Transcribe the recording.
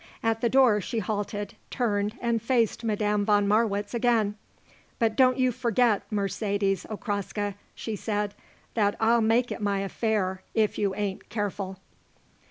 At the door she halted, turned and faced Madame von Marwitz again. "But don't you forget, Mercedes Okraska," she said, "that I'll make it my affair if you ain't careful."